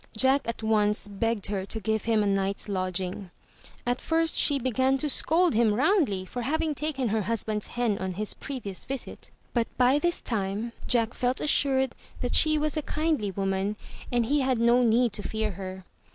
Jack at once begged her to give him a night's lodging. At first she began to scold him roundly for having taken her husband's hen on his previous visit, but by this time Jack felt assured that she was a kindly woman and he had no need to fear her.